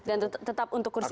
dan tetap untuk kursi itu